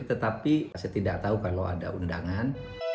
tetapi saya tidak tahu kalau ada undangan